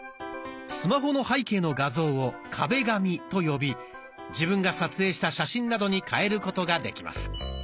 スマホの背景の画像を「壁紙」と呼び自分が撮影した写真などに変えることができます。